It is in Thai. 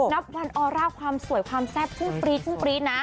นับวันออร่าความสวยความแซ่บพรีดนะ